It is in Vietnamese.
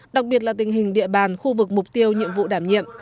đặc biệt là tình hình địa bàn khu vực mục tiêu nhiệm vụ đảm nhiệm